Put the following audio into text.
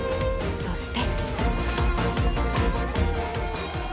そして。